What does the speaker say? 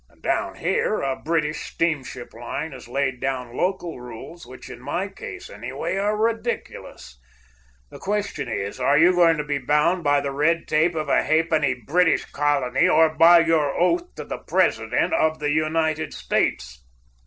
Down here, a British steamship line has laid down local rules which, in my case anyway, are ridiculous. The question is, are you going to be bound by the red tape of a ha'penny British colony, or by your oath to the President of the United States?"